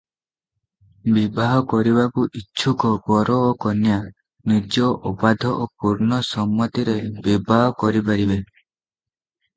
ବିବାହ କରିବାକୁ ଇଚ୍ଛୁକ ବର ଓ କନ୍ୟା ନିଜ ଅବାଧ ଓ ପୂର୍ଣ୍ଣ ସମ୍ମତିରେ ବିବାହ କରିପାରିବେ ।